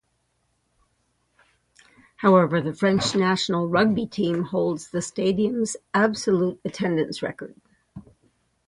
However, the French national rugby team holds the stadium's absolute attendance record.